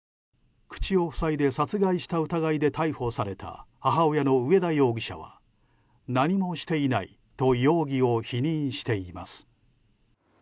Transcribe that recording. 口を塞いで殺害した疑いで逮捕された母親の上田容疑者は何もしていないと容疑を否認しています。